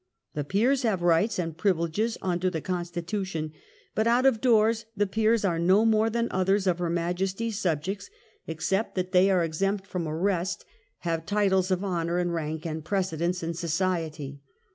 The Peers have rights and privileges under the constitution, but "out of doors" the Peers are "no more than others of her Majesty's subjects," except that X THE REFORM BILL 243 they are exempt from arrest, have titles of honour and rank, and precedence in society.